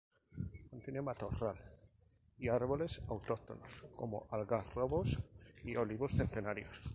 Contiene matorral y árboles autóctonos como algarrobos y olivos centenarios.